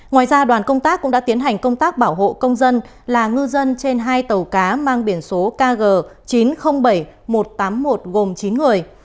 ngoài ra đoàn công tác cũng đã tiến hành công tác bảo hộ công dân là ngư dân trên hai tàu cá mang biển số kg chín trăm linh bảy một trăm tám mươi một gồm chín người